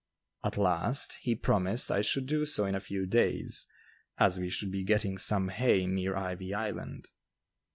At last, he promised I should do so in a few days, as we should be getting some hay near "Ivy Island."